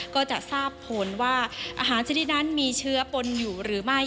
ก็จะทราบผลว่าอาหารชนิดนั้นมีเชื้อปนอยู่หรือไม่